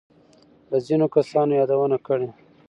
له ځینو کسانو يادونه کړې.